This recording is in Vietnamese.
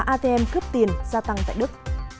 atm cướp tiền gia tăng tại đức